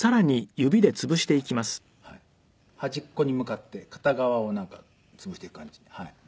端っこに向かって片側をなんか潰していく感じ。